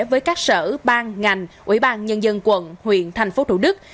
với các sở ban ngành ủy ban nhân dân quận huyện thành phố thủ đức